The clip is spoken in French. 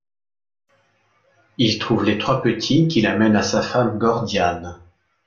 Il trouve les trois petits, qu'il amène à sa femme Gordiane.